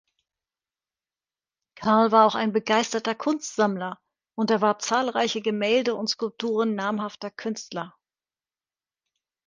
Karl war auch ein begeisterter Kunstsammler und erwarb zahlreiche Gemälde und Skulpturen namhafter Künstler.